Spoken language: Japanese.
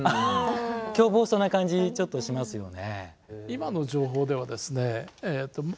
狂暴そうな感じちょっとしますよね。